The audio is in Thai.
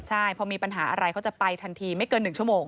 ใช่พอมีปัญหาอะไรเขาจะไปทันทีไม่เกิน๑ชั่วโมง